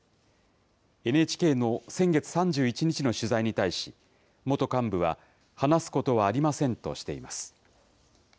ＮＨＫの先月３１日の取材に対し、元幹部は、話すことはありませんとしています。